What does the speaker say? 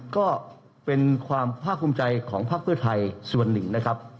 ก็เป็นความภาคภูมิใจของพักเพื่อไทยส่วนหนึ่งนะครับ